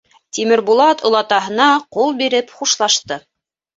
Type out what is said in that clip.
Тимербулат олатаһына ҡул биреп хушлашты.